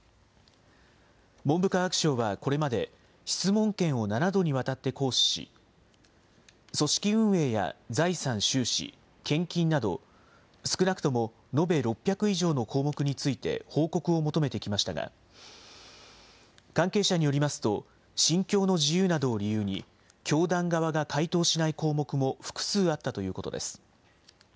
文部科学省はこれまで、質問権を７度にわたって行使し、組織運営や財産・収支、献金など、少なくとも延べ６００以上の項目について報告を求めてきましたが、関係者によりますと、信教の自由などを理由に、教団側が回答しない項目も複数あったということです。